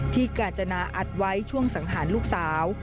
กาญจนาอัดไว้ช่วงสังหารลูกสาว